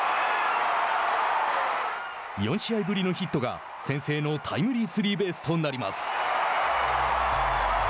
４試合ぶりのヒットが先制のタイムリースリーベースとなります。